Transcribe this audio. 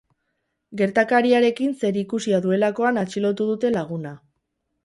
Gertakariarekin zerikusia duelakoan atxilotu dute laguna.